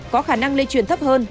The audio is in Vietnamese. có khả năng lây truyền thấp hơn